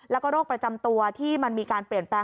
แล้วก็โรคประจำตัวที่มันมีการเปลี่ยนแปลง